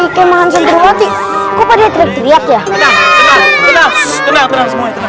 di kemahan santriwati kepada teriak ya